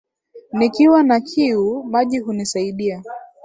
Nikiwa na kiu, maji hunisaidia.